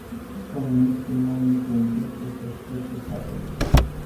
Comuniștii nu au nicio intenție să-și plece capetele.